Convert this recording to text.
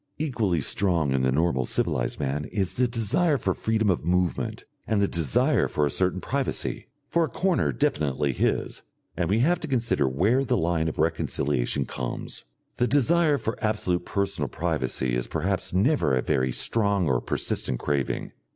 Equally strong in the normal civilised man is the desire for freedom of movement and the desire for a certain privacy, for a corner definitely his, and we have to consider where the line of reconciliation comes. The desire for absolute personal privacy is perhaps never a very strong or persistent craving.